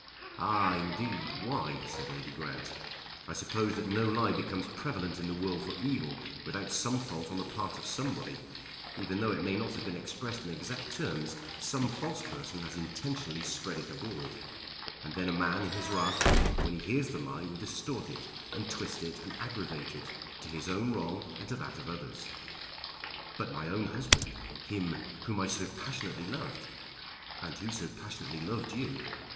"Ah indeed; why?" said Lady Grant. "I suppose that no lie becomes prevalent in the world for evil without some fault on the part of somebody. Even though it may not have been expressed in exact terms, some false person has intentionally spread it abroad. And then a man in his wrath, when he hears the lie will distort it, and twist it, and aggravate it, to his own wrong and to that of others." "But my own husband! Him whom I so passionately loved!" "And who so passionately loved you!